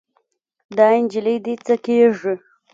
دا نجلۍ دې څه کيږي؟